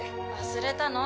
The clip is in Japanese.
忘れたの？